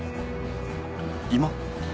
今？